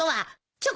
チョコ？